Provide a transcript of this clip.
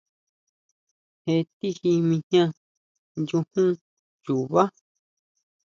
Je tiji mijian, nyujún chubá.